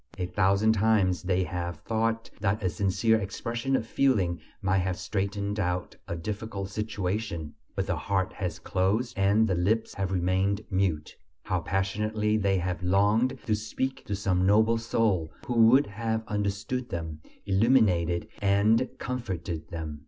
A thousand times they have thought that a sincere expression of feeling might have straightened out a difficult situation; but the heart has closed and the lips have remained mute. How passionately they have longed to speak to some noble soul who would have understood them, illuminated and comforted them!